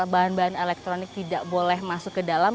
bahan bahan elektronik tidak boleh masuk ke dalam